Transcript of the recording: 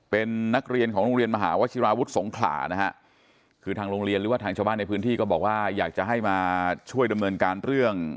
เป็นนักเรียนของโรงเรียนมหาวชิราวุฒิสงขลานะฮะคือทางโรงเรียนหรือว่าทางชาวบ้านในพื้นที่ก็บอกว่าอยากจะให้มาช่วยดำเนินการเรื่อง